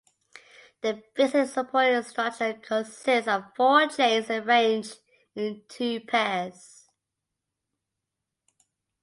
The basic supporting structure consists of four chains arranged in two pairs.